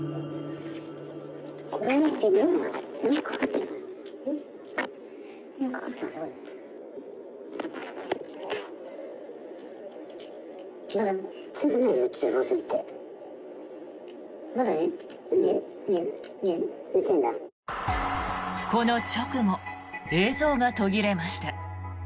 この直後映像が途切れました。